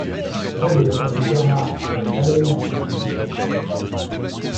Il promet d'attaquer Bernhard von Galen dans ses possessions sur le Rhin.